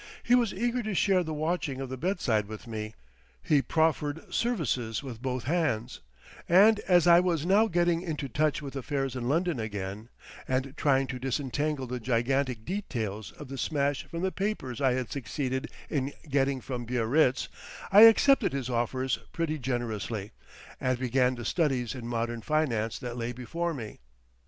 He was eager to share the watching of the bedside with me, he proffered services with both hands, and as I was now getting into touch with affairs in London again, and trying to disentangle the gigantic details of the smash from the papers I had succeeded in getting from Biarritz, I accepted his offers pretty generously, and began the studies in modern finance that lay before me.